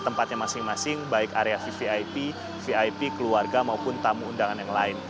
tempatnya masing masing baik area vvip vip keluarga maupun tamu undangan yang lain